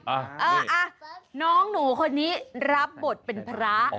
เอออ่ะน้องหนูคนนี้รับบทเป็นพระ